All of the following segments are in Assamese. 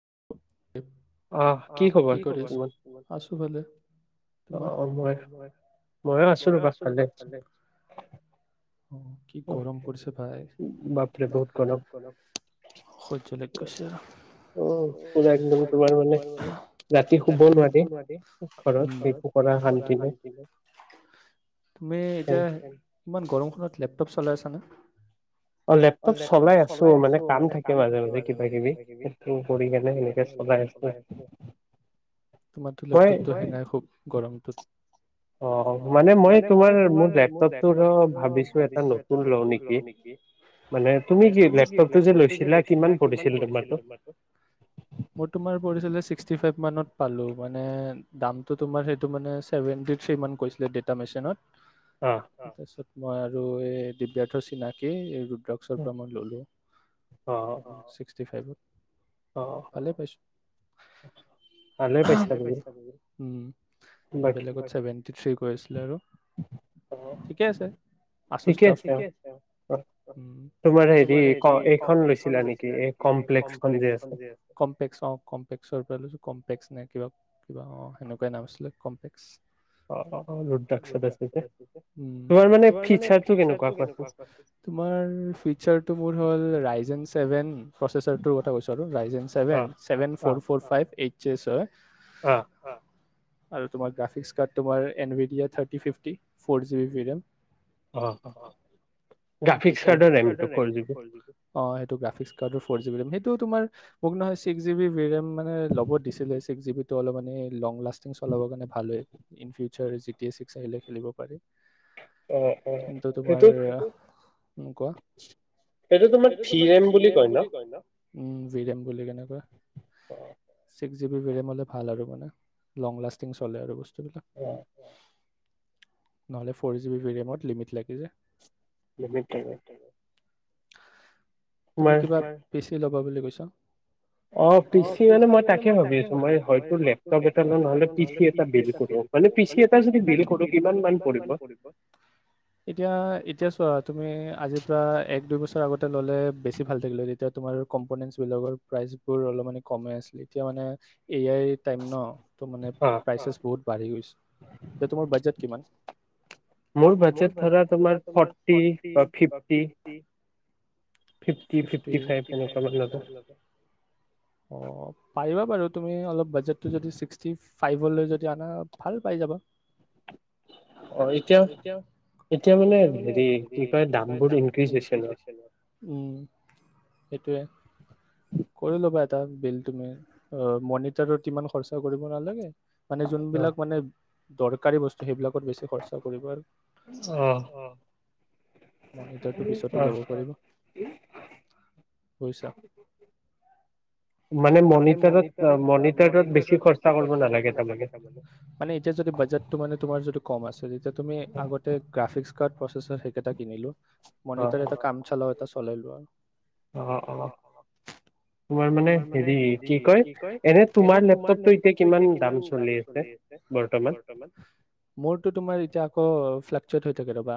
[inaudible] অহ, কি কৰি আছা? আছো ভালে। তোমাৰ? অহ, মই মইও আছো ৰবা ভালে, অ', কি গৰম পৰিছে ভাই বাপৰে বহুত গৰম। খৈতজলে কৈছে আৰু তোমাৰ মই ৰাতি শুব নোৱাৰি উম [unintelligible] তুমি এতিয়া ইমান গৰমখনত লেপটপ চলাই আছানে? অ', লেপটপ চলাই আছো মানে কাম থাকে মাজে, মাজে কিবা কিবি হইটো কৰিকেনে এনেকে চলাই আছোঁ, তোমাৰতো লেপটপটো হে নাই খুব গৰমটোত। অ' মানে মই তোমাৰ মোৰ লেপটপটোৰ ভাবিছো এটা নতুন লওঁ নেকি মানে তুমি কি লেপটপটো যে লৈছিলা কিমান পৰিছিল তোমাৰটো? মোৰ তোমাৰ পৰিছিলে শিষটিফাইভ মানত পালো মানে ‌দামটো তোমাৰ সেইটো মানে চেভেনটি থিৰ মান কইছিলে ডেতামেচিনত। তাৰপিছত? মই আৰু এই দিব্যাৰ্থ চিনাকি ৰকচৰ দামত ললো চিষটি ফাইভত ভালে পাইছোঁ, ভালে পাইচা বহুত। উম বেলেগত সেৱেণ্টিথ্ৰি কৈআছিলে আৰু ঠিকে আছে আচুচ ষ্টাফ ঠিকে আছে উম, তোমাৰ হেৰি এইখন লৈছিলা নেকি কপ্লে্ কমপ্লেক্স অ', কমপ্লেক্সৰ পৰা লৈছো কমপ্লেক্স নে কিবা, কিবা অ', সেনেকুৱা নাম আছিলে কমপ্লেক্স। অহ', লোড লাগিছে বেছিকে, উম, তোমাৰ মানে ফিচাৰ টো কেনেকুৱা? তোমাৰ ফিচাৰটো মোৰ হ'ল ৰাইজেন ছেভেন প্ৰচেচৰ টোৰ কথা কৈছোঁ Ryzen seven, seven four -four five, - HS হয়। আঃ আৰু তোমাৰ গ্ৰাফিক্স -কাৰ্ড তোমাৰ Nvidia thirty- forty, four GB variant. অ', এইটো ফিক্স -কাৰ্ডৰ ৰেম এইটো ফৰ্জিটো। অহ', এইটো গ্ৰাফিক্স কাৰ্ডৰ ফৰ্জী। [inaudible] তো, তোমাৰ মোক নহয় ছিক্স -জি বি ভাৰিয়াম, মানে ল'ব দিছিলে চিক্স - জি-বিত। এইটো অলপ মানে লং লাষ্ট, চলাবৰ কাৰনে ভাল হয় ইনফিওচ, স্বৰ জি - টি -ছিক্স আহিলে খেলিব পাৰি। কিন্তু তোমাৰ কোৱা, এইটো তোমাৰ ভিৰেম বুলি কয় ন',? উম', ভি- ৰেম বুলি কেনেকুৱা ছিক্স - জি-বি- -ভেৰিয়াম হলে ভাল আৰু মানে লং -লাষ্টিং চলে আৰু বস্ত, [unintelligible] নহ'লে ফ'ৰ- জি -বি ভেৰিয়ামত লিমিট লাগি যায়। লিমিট থাকিব। তুমি কিবা পিছ, - কি ল'বা বুলি কৈছ? অ ', পিচি মানে মই তাকে ভাবি আছো মই হয়টো লেপতপ এটা লম নহলে, পিচি এটা বিল কৰো। মানে পিচি এটা যদি বিল কৰো কিমান মান পৰিব? এতিয়া - এতিয়া, ত', তুমি আজিৰ পৰা এক -দুই বছৰ আগতে ল'লে বেছি ভাল থাকিলে হয় তেতিয়া তোমাৰ, কম্পনেণ্টচ বিলাকৰ প্ৰাইজ বোৰ অলপ মানে কমে আছিল এতিয়া মানে, এয়াই টাইম ন ', টো মানে প্ৰাইচেজ বহুত বাঢ়ি গৈছে। এতিয়া তোমাৰ বাজেট কিমান? মোৰ বাজেট ‌ধৰা তোমাৰ ফৰ্টি, বা ফিফটি, ফিফটি, ফিফটি -ফাইভ। অহ', পাৰিবা বাৰু, - তুমি অলপ, - বাজেটটো যদি ছিক্সটি -ফাইভলৈ যদি আনা, ভাল পাই যাবা। অ ', এতিয়া- এতিয়া মানে হেৰি কি কয় দামবোৰ ইনক্ৰিজ হৈছে ন', উম্ সেইটোৱে, কৰি ল'বা এটা বিল তুমি অ', মনিটাৰত ইমান খৰচা কৰিব নালাগে। মানে যোনবিলাক মানে, দৰকাৰী বস্তু সেইবিলাক, - কত বেছি খৰচা কৰিব আৰু অ', মনিটাৰটো পিছতো লব পাৰিব, বুজিছা? মানে মনিটাৰত মনিটাৰত বেছি খৰচা কৰিব নালাগে তাৰ মানে এতিয়া যদি বাজটো তোমাৰ যদি কম আছে তেতিয়া তুমি আগতে গ্ৰাফিক কা প্ৰচচৰ সেইকেইটা কিনিলো মনিটাৰ এটা কাম চালত এটা চলাই লোৱা অ অ তোমাৰ মানে হেৰি কি কয় এনে তোমাৰ লেপটপটো এতিয়া কিমান দাম চলি আছে বৰ্তমান মোৰতো তোমাৰ এতিয়া আকৌ থাকে ৰ'বা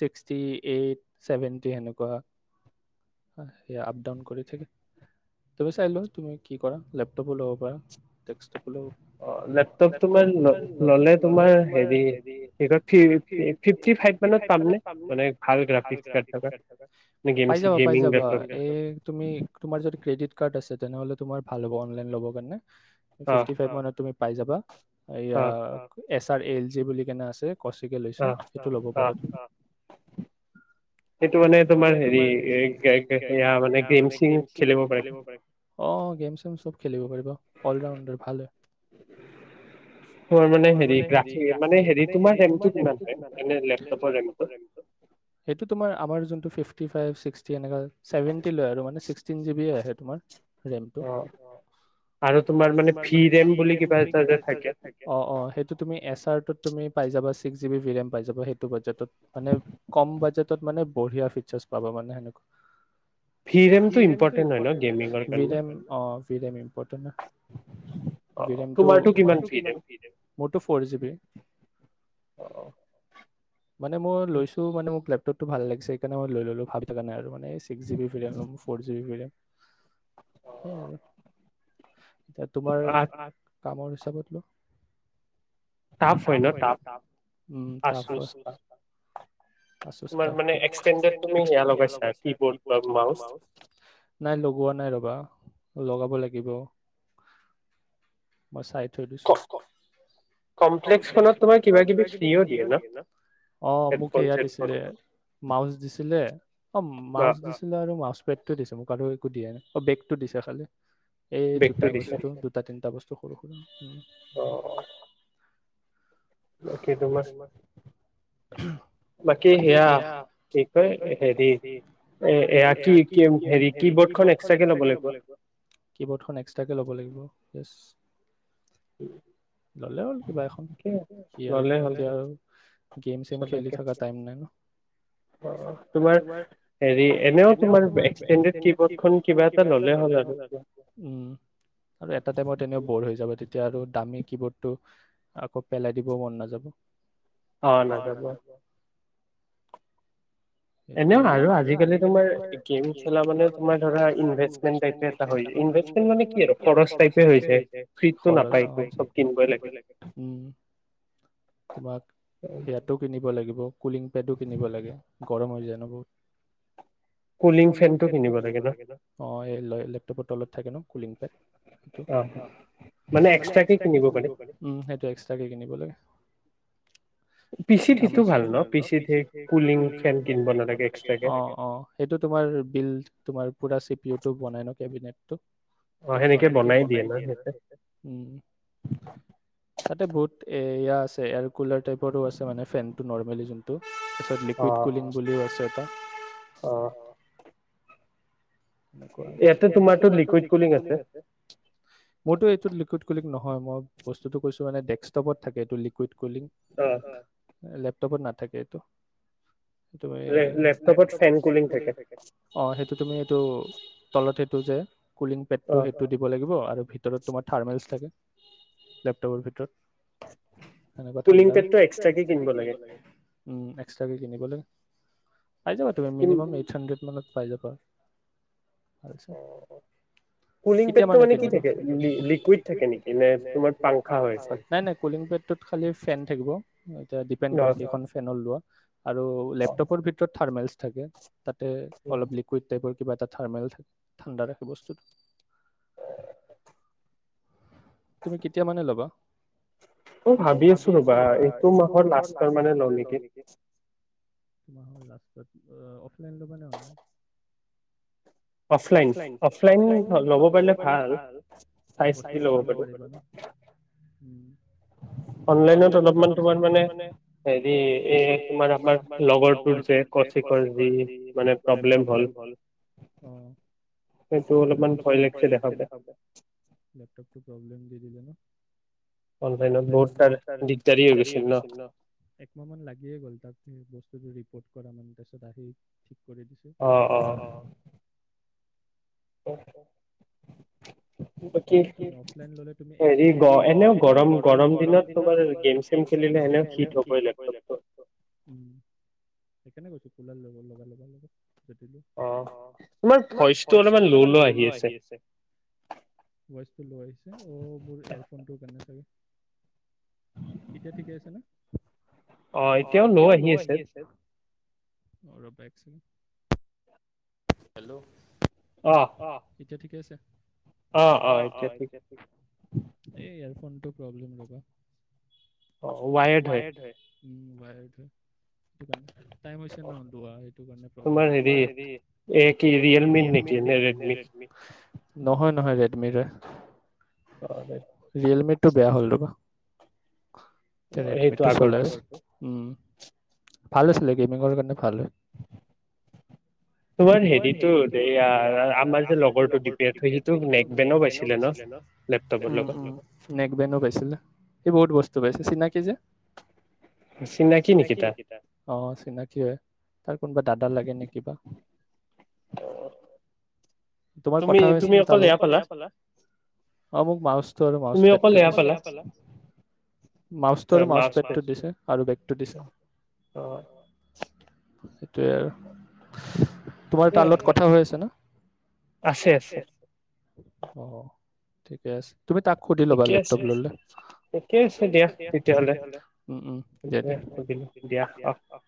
ছিক্সটি এইট চেভেনটি সেনেকুৱা স আপ ডাউন কৰি থাকে তুমি চাই লোৱা তুমি কি কৰা লেপটপো ল'ব পাৰা লেপটপ তোমাৰ ল'লে তোমাৰ হেৰি ফিফটি পাইপ মানত পাম‌ নে? পাই যাবা পাই যাবা ফ্লিপকাৰ্ট আছে তেনেহ'লে তোমাৰ ভাল হ'ব অনলাইন ল'ব কাৰণে ফিফটি ফাইভ মানত তুমি পাই যাবা আয়া এছ আৰ এল জি বুলি কেনে আছে কচিক লৈছে সেইটো ল'ব পাৰা তুমি সেইটো মানে তোমাৰ হেৰি সেয়া মানে গেমছিং খেলিব পাৰিবা অ গেম চেম চব খেলিব পাৰিবা অলৰাউণ্ডাৰ ভালে মানে হেৰি মানে হেৰি তোমাৰ ৰেংটো কিমান সেইটো তোমাৰ আমাৰ যোনটো ফিফটি ফাইভ ছিক্সটি এনেকা চেভেণ্টি লয় আৰু মানে চিক্সটি জিম জিম আহে তোমাৰ ৰেমটো আৰু তোমাৰ মানে ফিৰি ৰেম বুলি কিবা এটা অ সেইটো তুমি এছ আৰ সেইটো তুমি পাই যাবা চিক্সচ জিপি ভিলেইন পাই যাবা সেইটো বাজেটত মানে কম বাজেটত মানে বৰহিয়া পিকচাৰ্চ পাবা মানে ফিৰ এমটো ফি ইনপৰ্টেন ৰেম তোমাৰটো কিমান মোৰটো ফৰ জিপি মানে মই লৈছোঁ মানে ম ফতটো ভাল লাগি সেইকাৰণ মই লৈ ললোঁ ভাবি থকা নাই আৰু মান six GB four GB RAM সেইয়া আৰু এতিয়া তোমাৰ কামৰ হিচাপত লো কাফ হয় ন কাফ অ কাফ হয় তুমি এক্সেনডেট সেইয়া লগাছা কিবোর্ড বা মাউস নাই লগোৱা নাই ৰবা লগাব লাগিব মই চাই [inaudible] অ' কমপেল্ক্ তোমাৰ মাউচ দিছিলে আৰু মাউচ পেকটো দিছিলে মোক [inaudible] অ' বেগটো দিছে খালি? এই দুটা বস্তু দুটা তিনিটা বস্তু [inaudible] অ'। বাকী সেয়া কি কয় হে হেৰি কিব‌ড খন‌ লব এস্কতেৰাকে লৱ লাগিব কিবা খন এস্কতেৰাকে লব লাগ ল'লে হ'ল। কিবা এখন এতিয়া আৰু গেম ছেম খেলি থকা টাইম নাই তোমাৰ হেৰি এনেও তোমাৰ এক্সটেন্দেদ কীবৰ্ড খন কিবা এটা ললে হল আৰু উম আৰু এটা টাইমত এনেও বৰ হয় যাবা তেতিয়া আৰু দামী কি বৰ্ডটো আকৌ পেলাই দিব মন নাযাব। অ' নাজাব। সেইটো এ এনেও আজি কালি তোমাৰ গেম খেলা মানে তোমাৰ ধৰা ইনভেষ্টমেণ্ট টাইপ এ এটা হয় ইনভেষ্টমেণ্ট মানে কি আৰু খৰচ টাইপ এ হৈছে আৰু কীবৰ্ড কিনিবই লাগব উম তোমাক হিয়াটো কিনিব লাগিব। কুলিং পেডো কিনিব লাগে। গৰম হৈ যায় ন বহুত? কুলিং ফেন টো কিনিব লাগে ন অ' সেই লেপটপৰ তলত থাকে ন? কুললিং সেইটো অ' মানে এক্সট্ৰাকে কিনিব লাগে উম সেইটো এক্সট্ৰাকে কিনিব লাগে। পিচিটো ভাল ন পিচি ত সেই কুলিং ফেন কিনব নালাগে অ' এক্সট্ৰা কে অ' সেইটো তোমাৰ বিল তোমাৰ পৰা চিটো বনাই ন কেবিনেট বনাই দিয়ে ন তাতে উম তাতে বহুত এয়া আছে এয়াৰ কুলাৰ টাইপৰো আছে মানে ফেনটো নৰ্মেলি যোনটো তাৰপছত কুইড কুলিং বুলিও আছে এটা এইটো তোমাৰ টো লিকুইড কুলিং আছে মোৰটো এইটো লিকুইড কুলিং নহয় মই বস্তুটো কৈছো মানে দেক্ষ্টপত থাকে এইটো লিকুইড কুলিং অ' লেপটপত নাথাকে এইটো। সেইটো এ লেপটপত ফেন কুলিং থাকে অ' সেইটো তুমি তলত সেইটো যে কুলিং পেডটো সেইটো দিব লাগিব আৰু ভিতৰত তোমাৰ থাৰ্মেলছ থাকে লেপটপৰ ভিতৰত হেনেকুৱা ঠাণ্ডা কুলিং পেড টো এক্সত্ৰা কে কিনিব লাগে উম এক্সত্ৰা কে কিনিব লাগে পাই যাবা তুমি মিনিমাম এইট হানড্ৰেড মানত পাই যাবা আচ্ছা কেতিয়া মানে কিনিবা লিকুইড থাকে নেকি নে তোমাৰ পানখা হয় নাই নাই কুলিং পেডটোত খালি ফেন থাকিব এতিয়া দিপেন্দ কৰে কেইখন ফেনৰ লোৱা আৰু লেপটপৰ ভিতৰত থাৰ্মেলচ থাকে তাতে অলপ লিকুইড কিবা এটা থাৰমেল থাকে ঠাণ্ডা ৰাখে বস্তু তুমি কেতিয়া মানে ল'বা অ ভাবি আছো ৰবা এইটো মাহৰ লাষ্টৰ মানে লওঁ নেকি তোমাৰ হ লাষ্টপত অফলাইন ল'ব নে অনলাইন অফলাইন অফলাইন ল'ব পাৰিলে ভাল চাই চিতি ল'ব পাৰি উম অনলাইনত অলপমান তোমাৰ মানে হেৰি এই তোমাৰ আমাৰ লগৰটোৰ যে কৌচিকৰ যি মানে প্ৰব্লেম হ'ল অ সেইটো অলপমান ভয় লাগিছে দেখা লেপ প্ৰব্লেম দি দিল ন বহুত তাৰ দিগদাৰী হৈ গৈছিল ন একমাহ মান লাগিয়ে গ'ল তাত বস্তুটো মানে তাৰপিছত আহি কৰি দিছো অ অ অ লে এনেও গৰম গৰম দিনত তোমাৰ গেম চেম খেলিলে এনেও শীট হ'বই লেপটপটো সেই কানে কৈছো কুলাৰ লগাই লবা লগত অ তোমাৰ ভইচটো অলপমান ল' ল' আহি আছে ভইচ টো ল' আহিছে অ মোৰ এয়াৰফোন টো কানে চাগে এতিয়া ঠিকে আছে নে অ এতিয়াও লউ আহি আছে আৰু বাইক ছাইক হেল্ল' অহ এতিয়া ঠিকে আছে অ অ এতিয়া ঠিক এয়া ঠ এই এয়াৰফোনটো প্ৰব্লেম ৰবা অ ৱাইট হয় উম বাইটো স টাইম হৈছে নহ লোৱা সেইটো কাৰণে প্ৰব্লেম তোমাৰ হেৰি এ কি ৰিয়েলমি নেকি এনে ৰেডমি নহয় নহয় ৰেডি মৰা অ টো বেয়া হ'ল ৰবা ৰেডমিটো চল আছ উম ভাল আছিলে গেমিঙৰ কাৰণে ভাল তোমাৰ হেৰিতো দ আমাৰ যে লগৰটোপ সি নেক বেন পাইছিলে ন নেক বেন পাইছিলে স বহুত বস্তু পাইছে চিনাকি যে চিনাকি নেকি তাৰ অ চিনাকি হয় তাৰ কোনোবা দাদা লাগে নে কিবা তোমাৰ কথা হৈছে তাল অ মোক মা মা মাছ আৰু মা পেটো দিছে আৰু বেগটো দিছে তেয় তোমাৰ তাৰ লগত কথা হৈ আছে না আছে আছে ঠিকে আছে তুমি তাক সুধি লবা লেপটপ লে ঠিকেই আছে দিয়া তেতিয়লে উ উা আহ